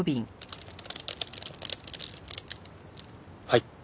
はい。